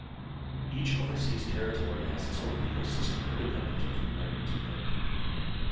Each overseas territory has its own legal system independent of the United Kingdom.